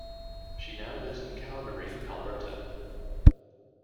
She now lives in Calgary, Alberta.